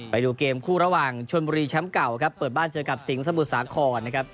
ไปดูเกมคู่ระหว่างชนบุรีแชมป์เก่าครับเปิดบ้านเจอกับสิงหมุทรสาครนะครับ